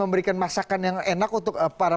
memberikan masakan yang enak untuk para